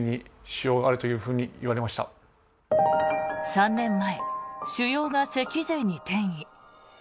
３年前、腫瘍が脊髄に転移。